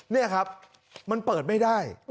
นี่ครับมันเปิดไม่ได้